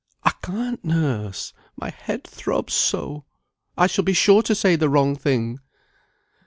"I can't, nurse. My head throbs so, I shall be sure to say the wrong thing."